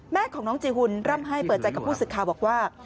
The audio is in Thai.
แม่ของน้องจีหุ่นร่ำให้เปิดใจกับผู้สื่อข่าวบอกว่า